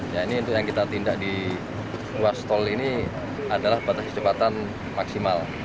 ya ini untuk yang kita tindak di ruas tol ini adalah batas kecepatan maksimal